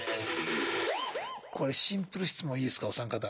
これシンプル質問いいですかお三方。